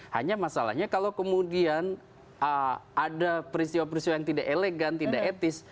hanya masalahnya kalau kemudian ada peristiwa peristiwa yang tidak elegan tidak etis